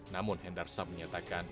namun hendar sam menyatakan